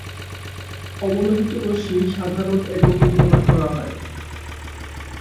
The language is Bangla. অবলোহিত রশ্মি সাধারণ এককে প্রকাশ করা হয়।